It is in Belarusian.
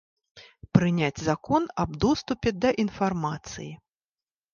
Прыняць закон аб доступе да інфармацыі.